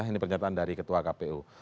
ini pernyataan dari ketua kpu